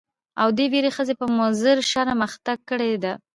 او دې ويرې ښځه په مضر شرم اخته کړې ده.